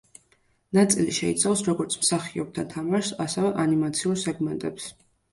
ნაწილი შეიცავს როგორც მსახიობთა თამაშს, ასევე ანიმაციურ სეგმენტებს.